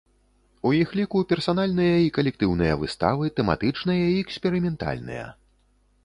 У іх ліку персанальныя і калектыўныя выставы, тэматычныя і эксперыментальныя.